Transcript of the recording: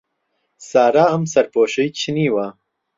سارا ئەم سەرپۆشەی چنیوە.